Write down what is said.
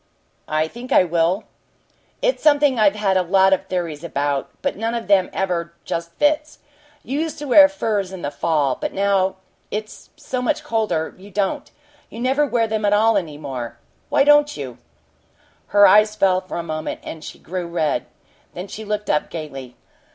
"I think I will." "It's something I've had a lot of theories about, but none of them ever just fits. You used to wear furs in the fall, but now it's so much colder, you don't you never wear them at all any more. Why don't you?" Her eyes fell for a moment, and she grew red. Then she looked up gaily.